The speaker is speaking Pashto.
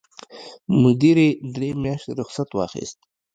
مدیرې درې میاشتې رخصت واخیست.